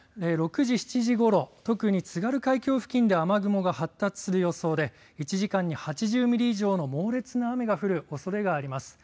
６時、７時ごろ特に津軽海峡付近では雨雲が発達する予想で１時間に８０ミリ以上の猛烈な雨が降るおそれがあります。